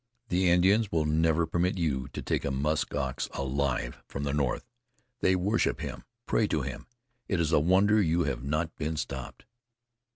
"The Indians will never permit you to take a musk ox alive from the north. They worship him, pray to him. It is a wonder you have not been stopped."